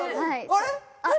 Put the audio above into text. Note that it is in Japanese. あれ？